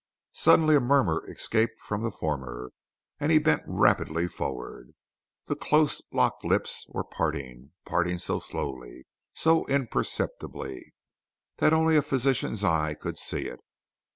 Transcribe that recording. Suddenly a murmur escaped from the former, and he bent rapidly forward. The close locked lips were parting, parting so slowly, so imperceptibly, that only a physician's eye could see it.